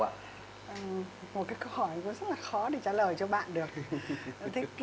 một câu hỏi rất là khó để trả lời cho bạn được